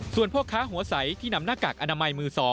ส่วนพ่อค้าหัวใสที่นำหน้ากากอนามัยมือ๒